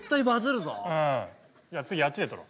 じゃあ次あっちで撮ろう。